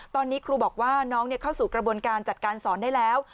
ตอนนี้ครูบอกว่าน้องเข้าสู่กระบวนการจัดการสอนได้แล้ว